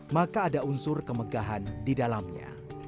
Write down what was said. maka ada unsur kemegahan di dalamnya